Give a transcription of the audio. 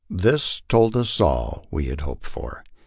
This told us all we had hoped for.